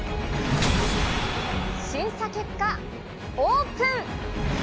審査結果、オープン。